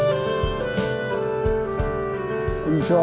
こんにちは。